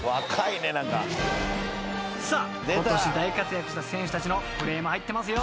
［ことし大活躍した選手たちのプレーも入ってますよ］